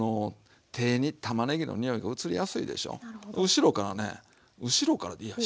後ろからね後ろからでいいや。